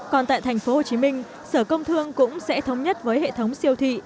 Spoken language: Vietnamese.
còn tại tp hcm sở công thương cũng sẽ thống nhất với hệ thống siêu thị